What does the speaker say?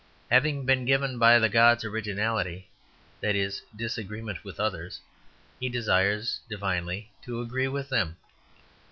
Having been given by the gods originality that is, disagreement with others he desires divinely to agree with them.